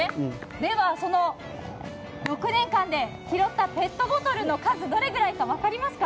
では、６年間で拾ったペットボトルの数どのくらいか分かりますか？